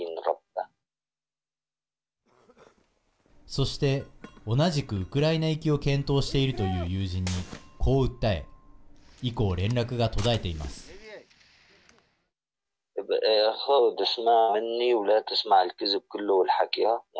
そして同じくウクライナ行きを検討しているという友人に、こう訴え以降、連絡が途絶えています。